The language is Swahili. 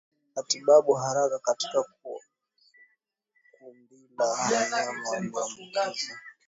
Matibabu ya haraka katika kundila wanyama walioambukizwa